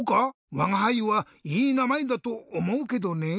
わがはいはいいなまえだとおもうけどねぇ。